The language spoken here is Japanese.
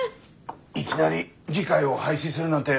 いきなり議会を廃止するなんて